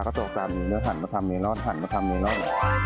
เขาตกตามอยู่แล้วหันมาทำเมลอนหันมาทำเมลอน